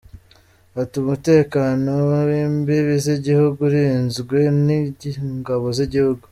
Ati “Umutekano w’imbibi z’igihugu urinzwe n’ingabo z’igihugu.